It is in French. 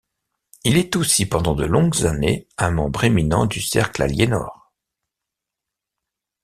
Il est aussi pendant de longues années un membre éminent du Cercle Alienor.